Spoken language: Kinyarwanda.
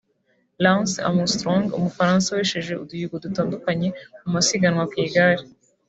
Lance Armstrong umufaransa wesheje uduhigo dutandukanye mu masiganwa ku igare